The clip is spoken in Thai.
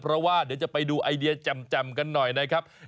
เพราะว่าเดี๋ยวจะไปดูไอเดียแจ่มกันหน่อยนะครับ